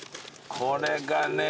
これがね。